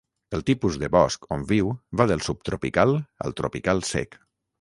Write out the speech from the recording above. El tipus de bosc on viu, va del subtropical al tropical sec.